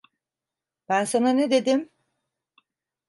Ben sana ne dedim?